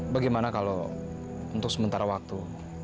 bagaimana kalau untuk sementara waktu